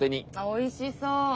おいしそう！